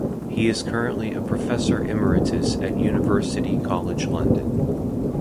He is currently a Professor Emeritus at University College London.